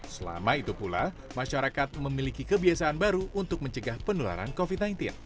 selama itu pula masyarakat memiliki kebiasaan baru untuk mencegah penularan covid sembilan belas